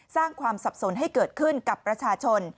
สร้างความสับสนให้เกิดขึ้นกับประชาชน